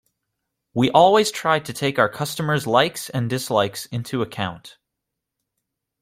We always try to take our customers’ likes and dislikes into account.